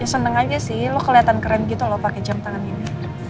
ya seneng aja sih lo keliatan keren gitu loh pake jam tangan ini